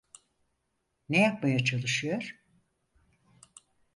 Ne yapmaya çalışıyor?